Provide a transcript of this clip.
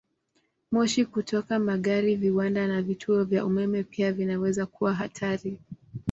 Moshi kutoka magari, viwanda, na vituo vya umeme pia vinaweza kuwa hatari.